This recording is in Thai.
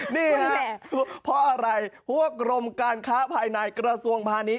นี่เพราะอะไรพวกกรมการค้าภายในกระทรวงพาณิช